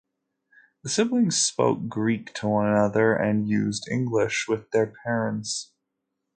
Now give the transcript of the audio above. The siblings spoke Greek to one another, and used English with their parents.